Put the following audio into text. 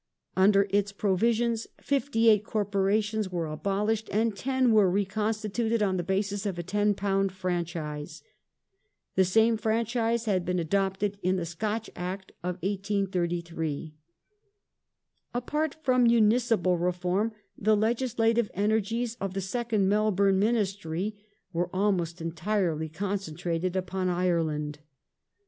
Under its provisions fifty eight corporations were abolished and ten were reconstituted on the basis of a ten pound franchise. The same franchise had been adopted in the Scotch Act of 1833. Apart from Municipal Reform the legislative energies of the second Melbourne Ministry were almost entirely concentrated upon Ireland.